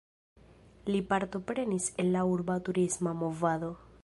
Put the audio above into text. Li partoprenis en la urba turisma movado.